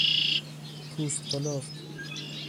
پوستکلفت